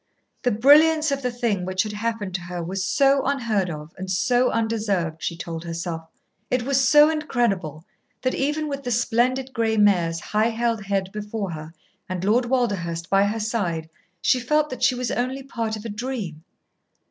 The brilliance of the thing which had happened to her was so unheard of and so undeserved, she told herself. It was so incredible that, even with the splendid gray mare's high held head before her and Lord Walderhurst by her side, she felt that she was only part of a dream.